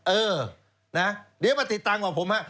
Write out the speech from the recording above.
เออนะเดี๋ยวมาติดตามของผมครับ